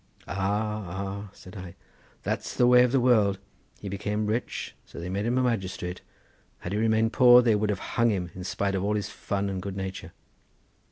"Ah, ah," said I; "that's the way of the world. He became rich, so they made him a magistrate; had he remained poor they would have hung him in spite of all his fun and good nature.